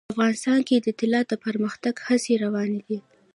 افغانستان کې د طلا د پرمختګ هڅې روانې دي.